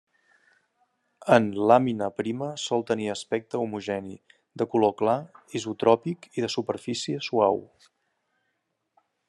En làmina prima sol tenir aspecte homogeni, de color clar, isotròpic i de superfície suau.